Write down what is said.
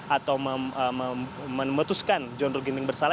atau memutuskan john ruh ginting bersalah